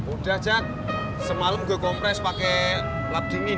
udah cek semalam gue kompres pake lab di min